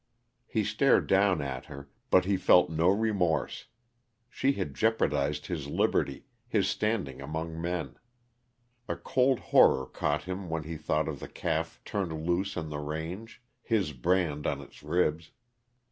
He stared down at her, but he felt no remorse she had jeopardized his liberty, his standing among men. A cold horror caught him when he thought of the calf turned loose on the range, his brand on its ribs.